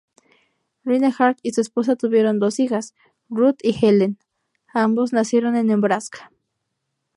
Rinehart y su esposa tuvieron dos hijas, Ruth y Helen; ambos nacieron en Nebraska.